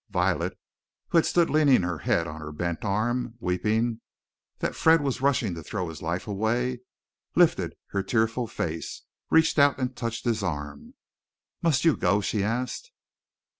Violet, who had stood leaning her head on her bent arm, weeping that Fred was rushing to throw his life away, lifted her tearful face, reached out and touched his arm. "Must you go?" she asked.